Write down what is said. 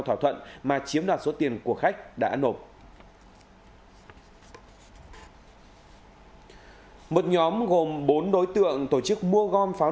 thỏa thuận mà chiếm đoạt số tiền của khách đã nộp một nhóm gồm bốn đối tượng tổ chức mua gom pháo